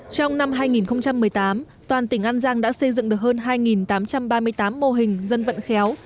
trong năm hai nghìn một mươi tám toàn tỉnh an giang đã xây dựng được hơn hai tám trăm ba mươi tám mô hình dân vận khéo